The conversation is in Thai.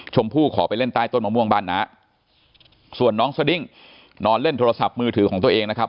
ผู้ขอไปเล่นใต้ต้นมะม่วงบ้านน้าส่วนน้องสดิ้งนอนเล่นโทรศัพท์มือถือของตัวเองนะครับ